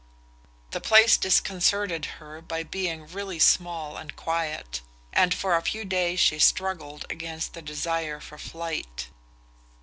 The place disconcerted her by being really small and quiet, and for a few days she struggled against the desire for flight.